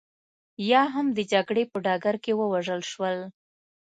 یا هم د جګړې په ډګر کې ووژل شول